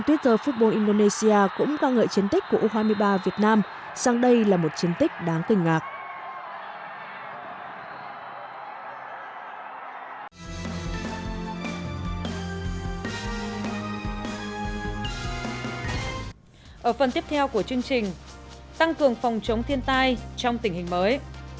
tăng cường phòng chống thiên tai trong tình hình mới